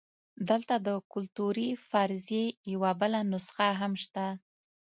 دلته د کلتوري فرضیې یوه بله نسخه هم شته.